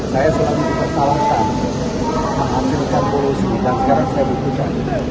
saya selalu ditolakkan menghasilkan urusan dan sekarang saya berhutang